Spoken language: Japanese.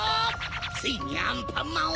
ついにアンパンマンを！